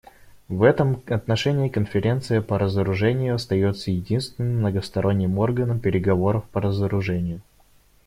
В этом отношении Конференция по разоружению остается единственным многосторонним органом переговоров по разоружению.